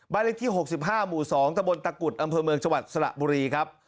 บ้านเล็กที่หกสิบห้าหมู่สองตะบนตะกุดอำเภอเมืองชาวัดสระบุรีครับ